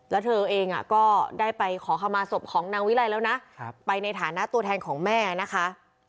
แล้วเธอเองก็ได้ไปขอคำมาศพของนางวิไลแล้วนะไปในฐานะตัวแทนของแม่นะคะ